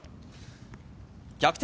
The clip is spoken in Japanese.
逆転